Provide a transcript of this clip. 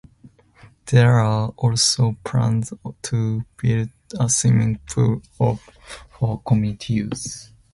There are also plans to build a swimming pool for community use.